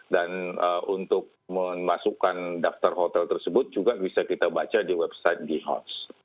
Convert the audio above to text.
dan untuk memasukkan daftar hotel tersebut juga bisa kita baca di website g hots